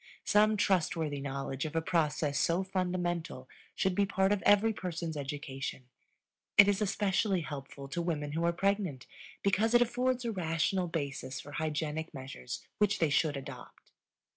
Some trustworthy knowledge of a process so fundamental should be part of every person's education; it is especially helpful to women who are pregnant because it affords a rational basis for hygienic measures which they should adopt.